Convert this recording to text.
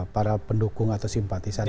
para pendukung atau simpatisan